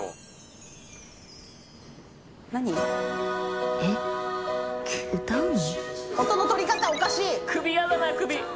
あっえっ歌うの！？